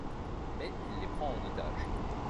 Mais il les prend en otage.